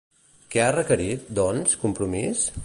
Què ha requerit, doncs, Compromís?